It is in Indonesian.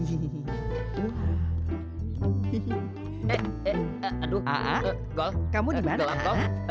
aduh a'a kamu dimana a'a